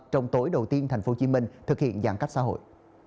trong tối đầu tiên tp hcm thực hiện giãn cách xã hội